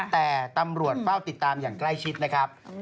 แต่ตำรวจเฝ้าติดตามอย่างใกล้ชิดนะครับ